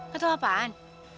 kau tahu apaan